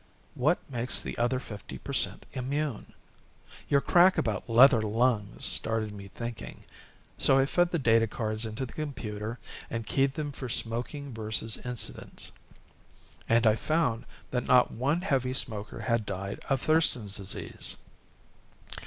What makes the other fifty per cent immune? Your crack about leather lungs started me thinking so I fed the data cards into the computer and keyed them for smoking versus incidence. And I found that not one heavy smoker had died of Thurston's Disease.